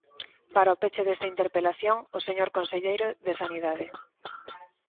Para o peche desta interpelación, o señor conselleiro de Sanidade.